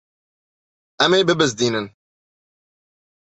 Em ê bibizdînin.